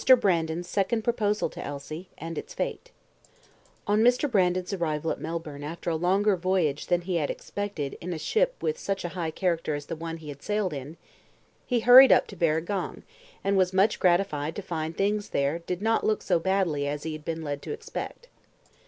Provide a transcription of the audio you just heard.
Brandon's Second Proposal To Elsie, And Its Fate On Mr. Brandon's arrival at Melbourne after a longer voyage than he had expected in a ship with such a high character as the one he sailed in, he hurried up to Barragong, and was much gratified to find things there did not look so badly as he had been led to expect.